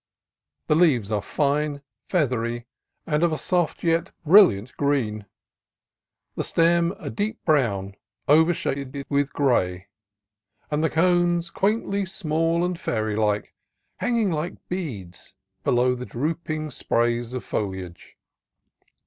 The leaves are fine, feathery, and of a soft yet brilliant green; the stem a deep brown overshaded with gray ; and the cones quaintly small and fairy like, hanging like beads below the droop ing sprays of foliage.